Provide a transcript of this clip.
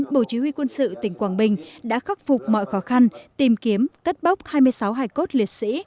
bộ chỉ huy quân sự tỉnh quảng bình đã khắc phục mọi khó khăn tìm kiếm cất bóc hai mươi sáu hải cốt liệt sĩ